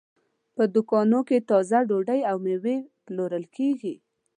په دوکان کې تازه ډوډۍ او مېوې پلورل کېږي.